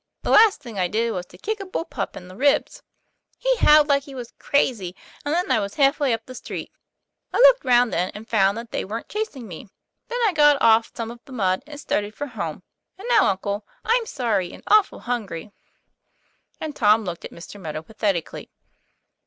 The last thing I did was to kick a bull pup in the ribs; he howled like he was crazy, and then I was half way up the street. I looked round then, and found that they weren't chasing me. Then I got off some of the mud and started for home. And now, uncle, I'm sorry and awful hungry." And Tom looked at Mr. Meadow pathetically.